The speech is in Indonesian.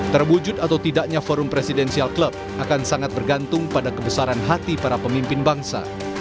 terwujud atau tidaknya forum presidensial club akan sangat bergantung pada kebesaran hati para pemimpin bangsa